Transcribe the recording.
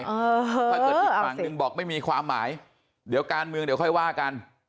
ถ้าเกิดอีกฝั่งหนึ่งบอกไม่มีความหมายเดี๋ยวการเมืองเดี๋ยวค่อยว่ากัน